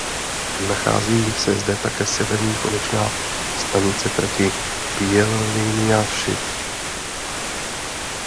Nachází se zde také severní konečná stanice trati Bijeljina–Šid.